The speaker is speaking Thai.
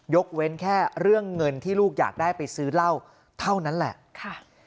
เว้นแค่เรื่องเงินที่ลูกอยากได้ไปซื้อเหล้าเท่านั้นแหละค่ะ